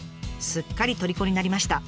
すっかりとりこになりました。